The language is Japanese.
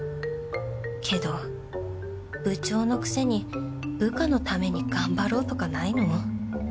けど部長のくせに部下のために頑張ろうとかないの？